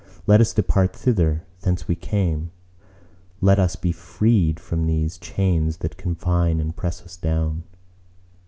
Let us depart thither, whence we came: let us be freed from these chains that confine and press us down.